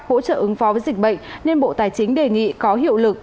hỗ trợ ứng phó với dịch bệnh nên bộ tài chính đề nghị có hiệu lực